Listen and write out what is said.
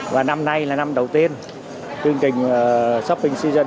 và năm nay là năm đầu tiên chương trình shopping season này đã được gửi đến thành phố hồ chí minh